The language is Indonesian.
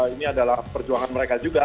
ini adalah perjuangan mereka juga